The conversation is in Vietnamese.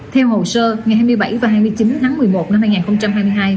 theo hồ sơ ngày hai mươi bảy và hai mươi chín tháng một mươi một năm hai nghìn hai mươi hai